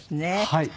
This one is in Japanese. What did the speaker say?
はい。